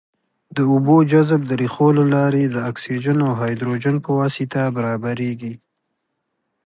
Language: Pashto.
د اوبو جذب د ریښو له لارې د اکسیجن او هایدروجن په واسطه برابریږي.